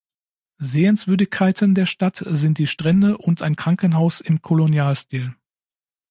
Sehenswürdigkeiten der Stadt sind die Strände und ein Krankenhaus im Kolonialstil.